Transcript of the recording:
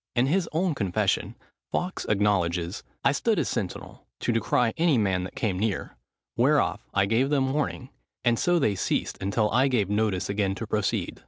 In his own confession, Fawkes acknowledges, "I stood as sentinel, to descrie any man that came near, whereof I gave them warning, and so they ceased until I gave notice again to proceed."